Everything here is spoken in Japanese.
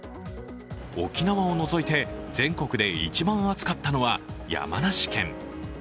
沖縄を除いて全国で一番暑かったのは山梨県。